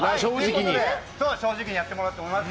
正直にやってもらおうと思います。